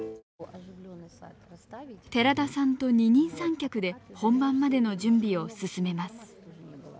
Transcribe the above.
寺田さんと二人三脚で本番までの準備を進めます。